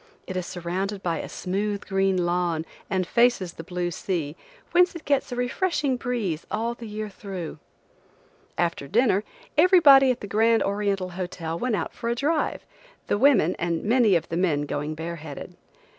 It is surrounded by a smooth green lawn and faces the blue sea, whence it gets a refreshing breeze all the year through. After dinner, everybody at the Grand Oriental Hotel went out for a drive, the women, and many of the men going bare headed.